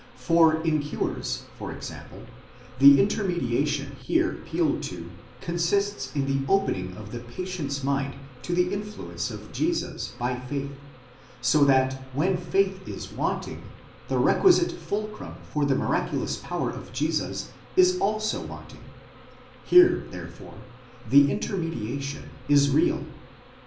For in cures, for example, the intermediation here appealed to consists in the opening of the patient's mind to the influence of Jesus by faith, so that when faith is wanting, the requisite fulcrum for the miraculous power of Jesus is also wanting : here therefore the intermediation is real.